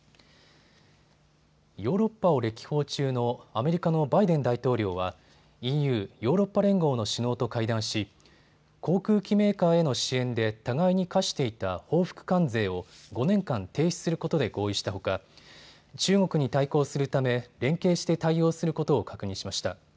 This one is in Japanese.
ヨーロッパを歴訪中のアメリカのバイデン大統領はＥＵ・ヨーロッパ連合の首脳と会談し、航空機メーカーへの支援で互いに課していた報復関税を５年間停止することで合意したほか中国に対抗するため連携して対応することを確認しました。